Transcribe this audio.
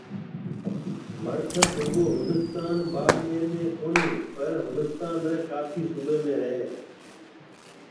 مڙکٽ رُگو هندوستان ٻاݪميڙ ۾ ڪونِي پر هندوستان ري ڪاڦي صُوبَي رهيَ هيَ